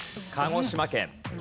鹿児島県。